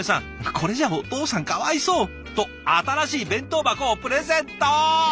「これじゃお父さんかわいそう！」と新しい弁当箱をプレゼント。